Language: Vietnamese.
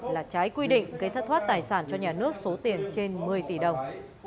là trái quy định gây thất thoát tài sản cho nhà nước số tiền trên một mươi tỷ đồng